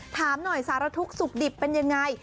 ถามหน่อยสารทุกข์สุขดิบเป็นยังไง